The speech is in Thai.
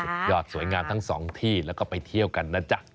ยอดสวยงามทั้งสองที่แล้วก็ไปเที่ยวกันนะจ๊ะ